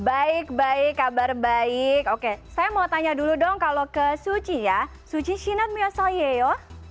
baik baik kabar baik oke saya mau tanya dulu dong kalau ke suci ya suji sinem yo so yo yo